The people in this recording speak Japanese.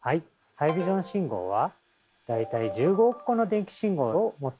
ハイビジョン信号は大体１５億個の電気信号を持っています。